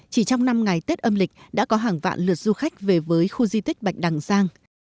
chỉ trong năm ngày tết âm lịch đã có hàng vạn lượt du khách về với khu di tích bạch đằng giang